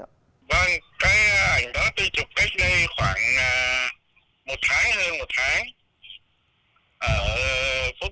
vâng cái ảnh đó tôi chụp cách đây khoảng